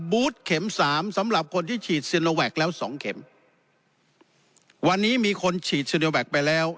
บูธเข็มสามสำหรับคนที่ฉีดซิโนแวคแล้วสองเข็มวันนี้มีคนฉีดซีโนแวคไปแล้ว